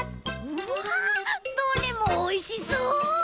うわどれもおいしそう！